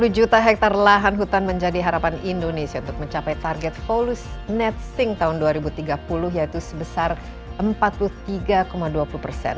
dua puluh juta hektare lahan hutan menjadi harapan indonesia untuk mencapai target polus net sink tahun dua ribu tiga puluh yaitu sebesar empat puluh tiga dua puluh persen